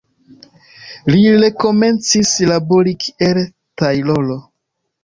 Li rekomencis labori kiel tajloro.